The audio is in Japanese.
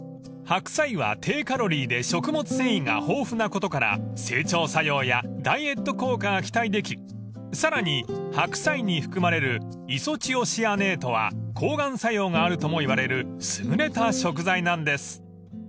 ［白菜は低カロリーで食物繊維が豊富なことから整腸作用やダイエット効果が期待できさらに白菜に含まれるイソチオシアネートは抗がん作用があるともいわれる優れた食材なんです］